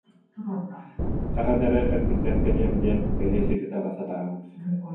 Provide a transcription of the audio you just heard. Хаһан эрэ эргиллэн кэлиэм диэн бэлиэ сири тала сатаабыт